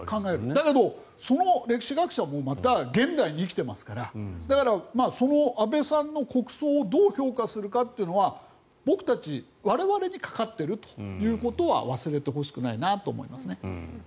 だけど、その歴史学者もまた現代に生きていますからだからその安倍さんの国葬をどう評価するかというのは僕たち、我々にかかっているということは忘れてほしくないなと思いますね。